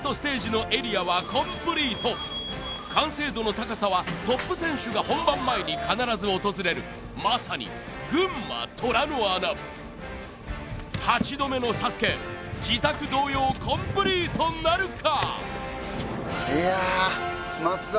これで完成度の高さはトップ選手が本番前に必ず訪れるまさに群馬虎の穴８度目のＳＡＳＵＫＥ自宅同様コンプリートなるか・